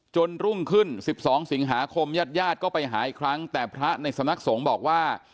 รุ่งขึ้น๑๒สิงหาคมญาติญาติก็ไปหาอีกครั้งแต่พระในสำนักสงฆ์บอกว่า